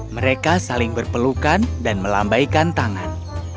mereka saling berpelukan dan melambaikan tangan